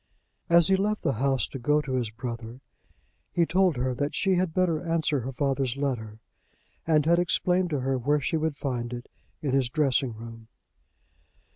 As he left the house to go to his brother, he told her that she had better answer her father's letter, and had explained to her where she would find it in his dressing room.